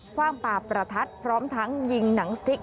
ว่างปลาประทัดพร้อมทั้งยิงหนังสติ๊ก